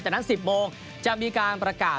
แต่นั้น๑๐โมงจะมีการประกาศ